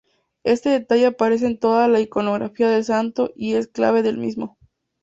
Este detalle aparece en toda la iconografía del santo y es clave del mismo.